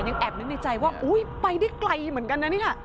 ยังแอบนึกในใจว่าไปได้ไกลเหมือนกันน่ะนี่ค่ะ